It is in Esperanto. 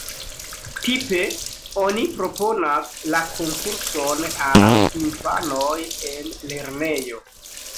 Tipe oni proponas la konkurson al infanoj en lernejo.